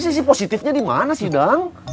sisi positifnya dimana sih dang